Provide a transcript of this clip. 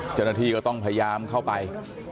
เจ้าหน้าที่ก็ต้องพยายามเข้าไป